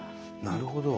なるほど。